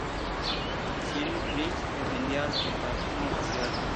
Cyril Briggs defendía el separatismo racial.